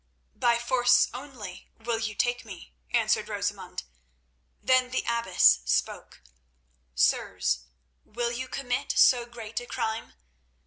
"By force only will you take me," answered Rosamund. Then the abbess spoke. "Sirs, will you commit so great a crime?